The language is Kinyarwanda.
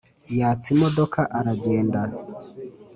yatsa imodoka aragenda.